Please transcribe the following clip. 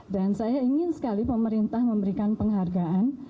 dan saya ingin sekali pemerintah memberikan penghargaan